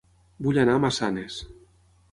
Vull anar a Massanes